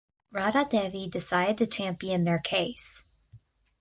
Radha Devi decided to champion their case.